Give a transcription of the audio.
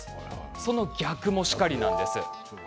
その逆もしかりなんです。